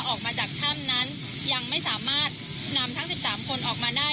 ออกมาจากถ้ำนั้นยังไม่สามารถนำทั้ง๑๓คนออกมาได้